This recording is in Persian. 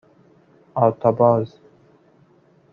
آرتاباز